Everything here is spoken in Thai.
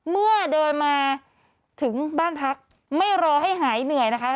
เมื่อเดินมาถึงบ้านพักไม่รอให้หายเหนื่อยนะคะ